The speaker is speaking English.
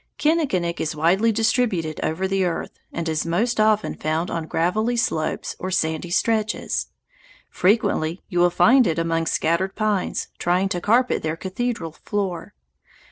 Kinnikinick is widely distributed over the earth, and is most often found on gravelly slopes or sandy stretches. Frequently you will find it among scattered pines, trying to carpet their cathedral floor.